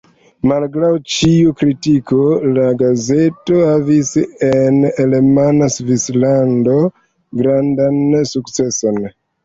Malgraŭ ĉiu kritiko la gazeto havis en alemana Svislando grandan sukceson.